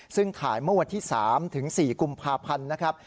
ซึ่งถ่ายเมื่อวันที่๓ถึง๔กุมภาพันธ์นะครับ